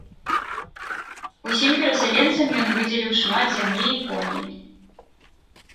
Усім перасяленцам ён выдзеліў шмат зямлі і коней.